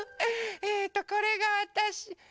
えっとこれがわたし。